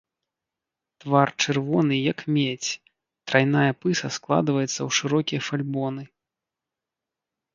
Твар чырвоны, як медзь, трайная пыса складваецца ў шырокія фальбоны.